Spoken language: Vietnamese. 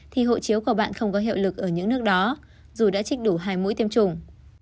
thì hộ chiếu của bạn không có hiệu lực ở những nước đó dù đã trích đủ hai mũi tiêm chủng